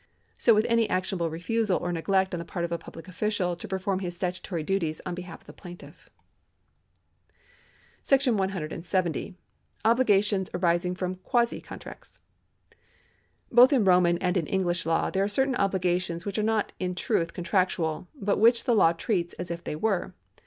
So with any actionable refusal or neglect on th(^ part of a public official to perform his statutory duties on behalf of the plaintiff. § 170. Obligations arising: from Quasi Contracts. Both in Roman and in English law there are certain obli gations which are not in truth contractual, but which the law treats as if they were.